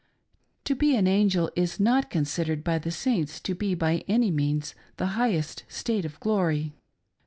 To be an angel is not considered by the Saints to be toy any means the highest state of glory.